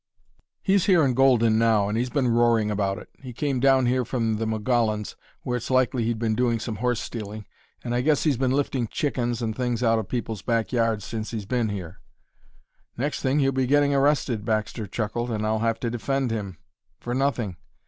"He's here in Golden now, and he's been roaring about it. He came down here from the Mogollons, where it's likely he'd been doing some horse stealing. And I guess he's been lifting chickens and things out of people's back yards since he's been here." "Next thing he'll be getting arrested," Baxter chuckled, "and I'll have to defend him for nothing.